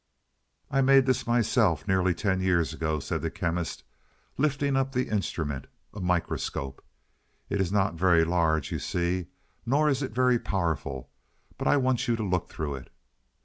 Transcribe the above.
"I made this myself, nearly ten years ago," said the Chemist, lifting up the instrument; "a microscope. It is not very large, you see; nor is it very powerful. But I want you to look through it."